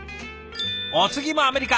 お次もアメリカ。